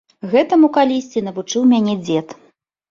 Гэтаму калісьці навучыў мяне дзед.